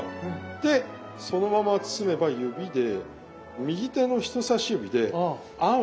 でそのまま包めば指で右手の人さし指で餡を攻めてく。